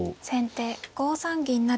先手５三銀成。